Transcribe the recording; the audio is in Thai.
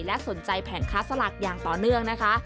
และสนใจแผงค้าสลากอย่างต่อเนื่องนะคะ